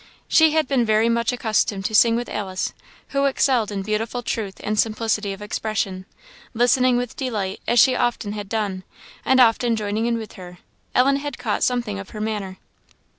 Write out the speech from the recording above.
She had been very much accustomed to sing with Alice, who excelled in beautiful truth and simplicity of expression; listening with delight, as she often had done, and often joining with her, Ellen had caught something of her manner.